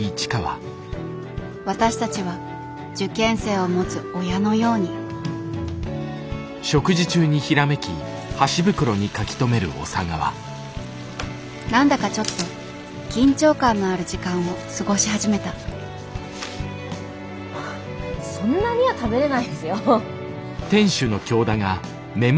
私たちは受験生を持つ親のように何だかちょっと緊張感のある時間を過ごし始めたそんなには食べれないですよ。